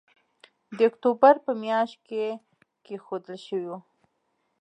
د اکتوبر په مياشت کې کېښودل شوی وو